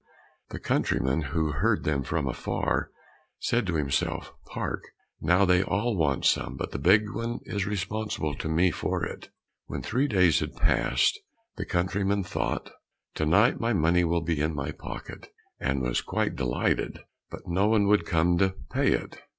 The countryman, who heard them from afar, said to himself, "Hark, now they all want some, but the big one is responsible to me for it." When three days had passed, the countryman thought, "To night my money will be in my pocket," and was quite delighted. But no one would come and pay it.